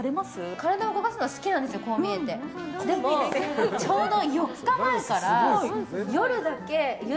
体動かすのは好きなんですよこう見えてでも、ちょうど４日前から。